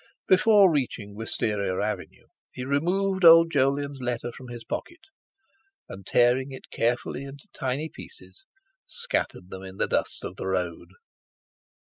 Before reaching Wistaria Avenue he removed old Jolyon's letter from his pocket, and tearing it carefully into tiny pieces, scattered them in the dust of the road.